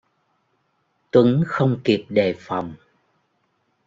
Tuấn không kịp đề phòng